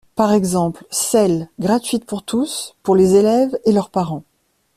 par exemple celle, gratuite pour tous, pour les élèves et leurs parents